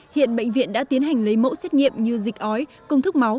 hiện bệnh viện đã tiến hành lấy mẫu xét nghiệm như dịch ói công thức máu